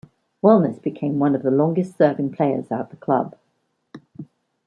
Wilnis became one of the longest-serving players at the club.